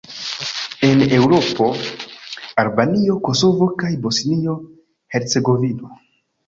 En Eŭropo: Albanio, Kosovo kaj Bosnio-Hercegovino.